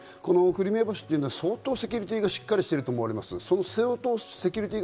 クリミア橋っていうのは相当セキュリティーがしっかりしてると思われます。